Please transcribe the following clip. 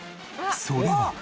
それは。